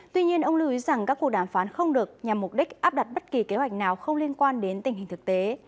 tuy nhiên ông lưu ý rằng các cuộc đàm phán không được nhằm mục đích áp đặt bất kỳ kế hoạch nào không liên quan đến tình hình thực tế